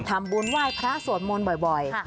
ทำบุญไหว้พระสวดมนต์บ่อย